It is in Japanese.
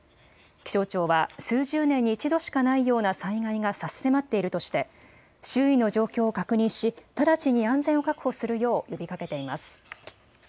気象庁は、数十年に一度しかないような災害が差し迫っているとして、周囲の状況を確認し、直ちに安全を確保するよう呼びかけています。